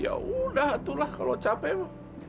ya udah itulah kalo capek